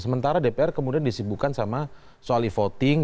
sementara dpr kemudian disibukan sama soal e voting